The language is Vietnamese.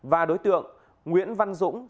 và đối tượng nguyễn văn dũng